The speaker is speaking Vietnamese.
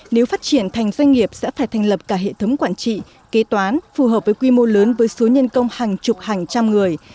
nếu phát triển thành doanh nghiệp sẽ phải thành lập cả hệ thống quản trị kế toán phù hợp với quy mô lớn với số nhân công hàng chục hàng trăm người